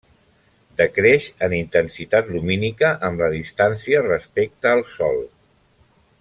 Decreix en intensitat lumínica amb la distància respecte al sol.